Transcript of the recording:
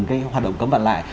cái hoạt động cấm vận lại